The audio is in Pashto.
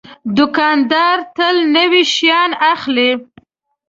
دوکاندار تل نوي شیان اخلي.